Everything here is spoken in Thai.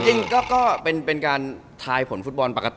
จริงก็เป็นการทายผลฟุตบอลปกติ